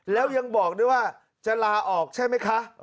แล้วยังบอกด้วยว่าจะลาออกใช่ไหมคะ